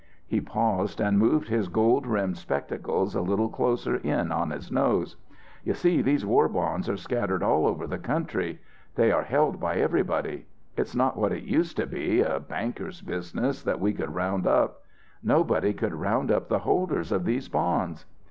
He paused and moved his gold rimmed spectacles a little closer in on his nose. "You see these war bonds are scattered all over the country. They are held by everybody. It's not what it used to be, a banker's business that we could round up. Nobody could round up the holders of these bonds.